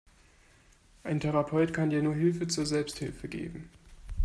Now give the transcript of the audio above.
Ein Therapeut kann dir nur Hilfe zur Selbsthilfe geben.